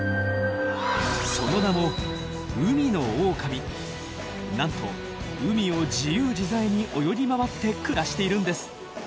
その名もなんと海を自由自在に泳ぎ回って暮らしているんです。